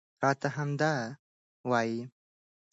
راته همدا وايي